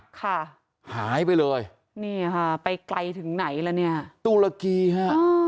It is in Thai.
ค่ะหายไปเลยนี่ค่ะไปไกลถึงไหนล่ะเนี่ยตุรกีฮะ